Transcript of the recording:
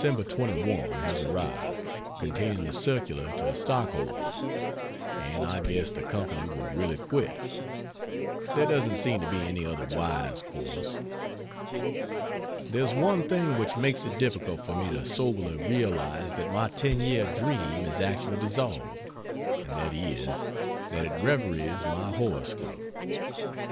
21 has arrived, containing the circular to stockholders and I guess the Co. will really quit there doesn't seem to be any other wise course. There's one thing which makes it difficult for me to soberly realize that my ten year dream is actually dissolved; and that is, that it reveries my horoscope.